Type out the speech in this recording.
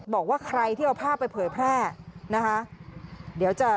บอกว่าใครที่เอาภาพไปเผยแพร่นะคะ